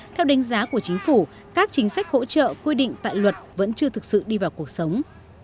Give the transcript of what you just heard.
theo đánh giá của chính phủ các chính sách hỗ trợ quy định tại luật vẫn chưa thực sự đi vào cuộc sống